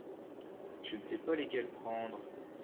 Je se sais pas lesquels prendre.